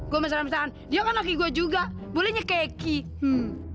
gue masalah masalahan dia kan laki gue juga bolehnya kayak ki hmm